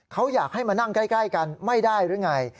เขาอยากให้มานั่งใกล้กันไม่ได้หรือไง